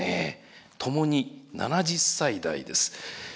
ともに７０歳台です。